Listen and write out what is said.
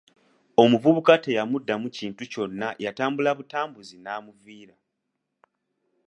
Omuvubuka teyamuddamu kintu kyonna yatambula butambuzi n’amuviira.